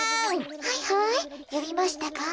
はいはいよびましたか？